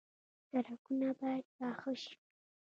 سړکونه باید پاخه شي